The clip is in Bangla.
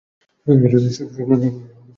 শোনো, আমি দুঃখিত!